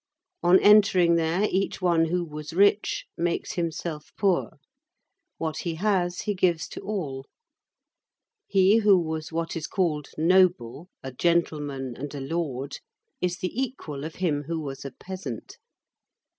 On entering there, each one who was rich makes himself poor. What he has, he gives to all. He who was what is called noble, a gentleman and a lord, is the equal of him who was a peasant.